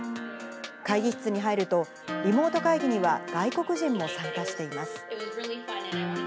会議室に入ると、リモート会議には外国人も参加しています。